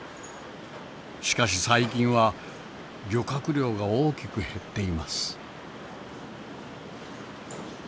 しかし最近は漁獲量が大きく減っています。